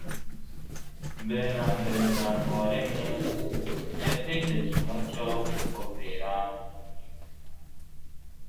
Mbere na mbere Jambo waremye yategetse umucyo kuvira mu mwijima.